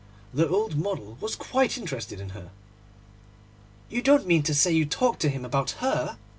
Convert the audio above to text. The old model was quite interested in her.' 'You don't mean to say you talked to him about her?